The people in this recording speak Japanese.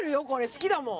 好きだもん。